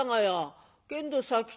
けんど佐吉